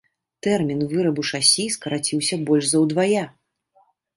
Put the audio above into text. Тэрмін вырабу шасі скараціўся больш за ўдвая.